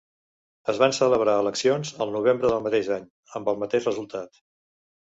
Es van celebrar eleccions al novembre del mateix any, amb el mateix resultat.